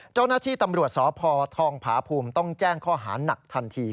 เจ้าหน้าที่ตำรวจสพทองผาภูมิต้องแจ้งข้อหานักทันที